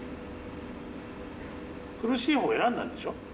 苦しいほうを選んだんでしょ。